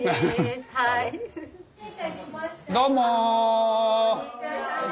どうも！